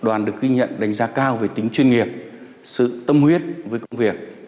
đoàn được ghi nhận đánh giá cao về tính chuyên nghiệp sự tâm huyết với công việc